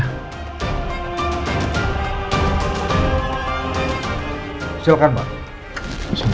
kami butuh ketemu sama istri saya